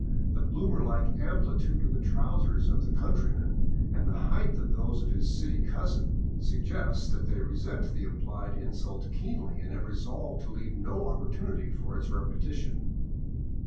The bloomer like amplitude of the trousers of the coun tryman, and the height of those of his city cousin, suggests that they resent the implied insult keenly, and have resolved to leave no opportunity for its repetition.